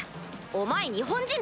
お前日本人だろ？